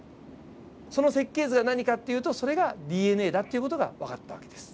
その設計図が何かっていうとそれがＤＮＡだっていう事が分かった訳です。